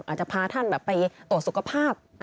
อาจจะพาท่านไปตรวจสุขภาพ